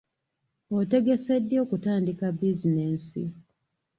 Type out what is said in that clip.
Otegese ddi okutandika bizinensi?